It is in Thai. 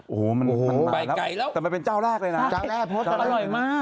โอ้โหมันมากแล้วแต่แม่เป็นเจ้าแรกเลยนะอร่อยมาก